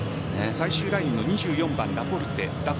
最終ラインの２４番・ラポルト